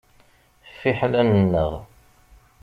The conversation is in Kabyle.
Fiḥel ad nennaɣ!